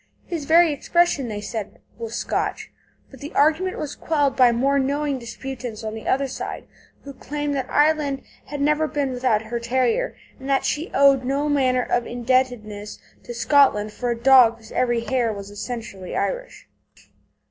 His very expression, they said, was Scotch. But the argument was quelled by more knowing disputants on the other side, who claimed that Ireland had never been without her terrier, and that she owed no manner of indebtedness to Scotland for a dog whose every hair was essentially Irish.